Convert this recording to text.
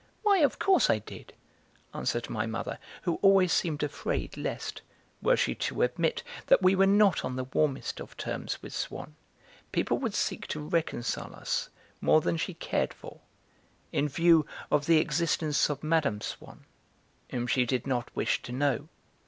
"Why, of course I did," answered my mother, who always seemed afraid lest, were she to admit that we were not on the warmest of terms with Swann, people would seek to reconcile us more than she cared for, in view of the existence of Mme. Swann, whom she did not wish to know.